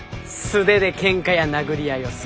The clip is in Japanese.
素手でケンカや殴り合いをする。